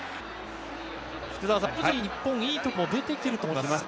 福澤さん、徐々に日本いいところも出てきていると思います。